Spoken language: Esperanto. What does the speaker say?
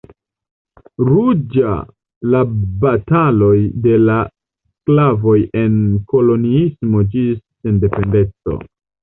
Ruĝa la bataloj de la sklavoj en koloniismo ĝis sendependeco.